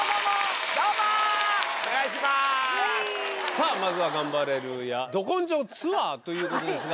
さぁまずはガンバレルーヤ「ど根性ツアー」ということですが。